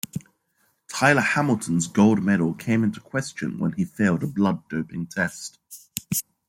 Tyler Hamilton's gold medal came into question when he failed a blood doping test.